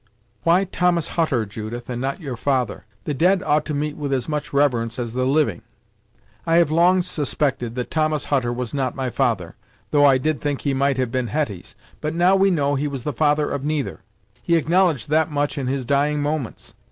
"Why Thomas Hutter, Judith, and not your father? The dead ought to meet with as much reverence as the living!" "I have long suspected that Thomas Hutter was not my father, though I did think he might have been Hetty's, but now we know he was the father of neither. He acknowledged that much in his dying moments.